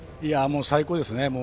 最高ですね。